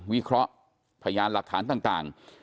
วิเคราะห์พยานหลักฐานต่าง